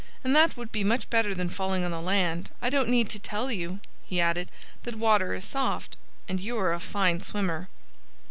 "And that would be much better than falling on the land.... I don't need to tell you," he added, "that water is soft. And you're a fine swimmer."